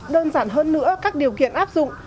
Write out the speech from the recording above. đơn giản hơn nữa các điều kiện áp dụng